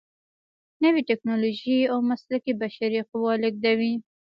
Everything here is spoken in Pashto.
نوې ټیکنالوجې او مسلکي بشري قوه لیږدوي.